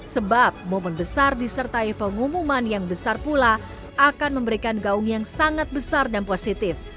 sebab momen besar disertai pengumuman yang besar pula akan memberikan gaung yang sangat besar dan positif